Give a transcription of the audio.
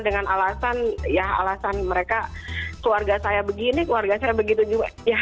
dengan alasan ya alasan mereka keluarga saya begini keluarga saya begitu juga